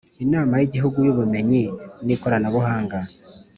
Inama y’ Igihugu y’ Ubumenyi n Ikoranabuhanga